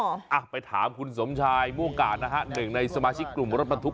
ละไปถามคุณสมชายโมโกกาญนะฮะ๑ที่สมาชิกกลุ่มรถบรรทุก